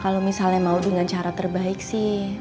kalau misalnya mau dengan cara terbaik sih